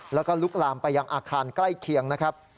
แล้วก็ลุกลามไปยังอาคารใกล้เคียงนะครับ